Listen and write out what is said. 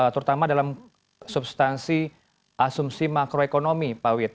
terutama dalam substansi asumsi makroekonomi pak wit